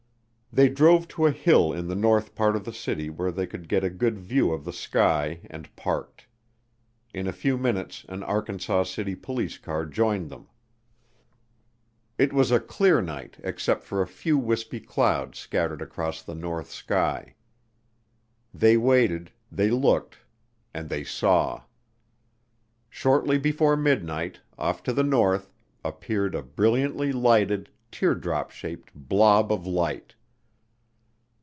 They drove to a hill in the north part of the city where they could get a good view of the sky and parked. In a few minutes an Arkansas City police car joined them. It was a clear night except for a few wispy clouds scattered across the north sky. They waited, they looked and they saw. Shortly before midnight, off to the north, appeared "a brilliantly lighted, teardrop shaped, blob of light."